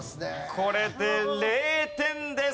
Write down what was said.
これで０点です！